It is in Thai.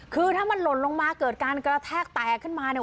คือถ้ามันหล่นลงมาเกิดการกระแทกแตกขึ้นมาเนี่ย